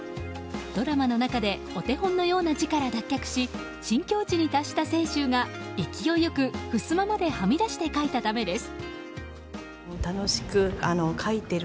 ドラマの中でお手本のような字から脱却し新境地に達した清舟が勢いよく、ふすままではみ出して書いたためです。